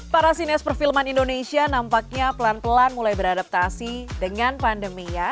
para sinias perfilman indonesia nampaknya pelan pelan mulai beradaptasi dengan pandemi ya